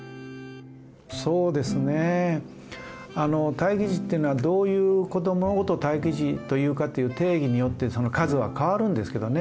待機児っていうのはどういう子どものことを待機児というかっていう定義によってその数は変わるんですけどね。